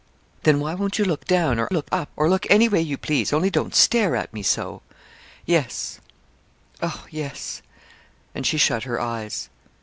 'Then, why won't you look down, or look up, or look any way you please, only don't stare at me so.' 'Yes oh, yes,' and she shut her eyes.